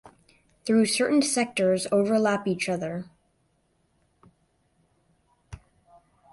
Though certain sectors overlap each other.